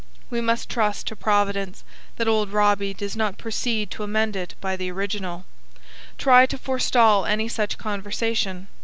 We must trust to Providence that old Robbie does not proceed to amend it by the original. Try to forestall any such conversation.